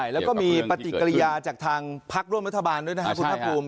แล้วก็มีปฏิกิริยาจากทางพักร่วมรัฐบาลด้วยนะครับคุณภาคภูมิ